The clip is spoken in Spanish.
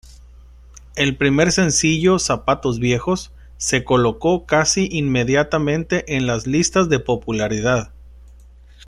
El primer sencillo, "Zapatos viejos", se colocó casi inmediatamente en las listas de popularidad.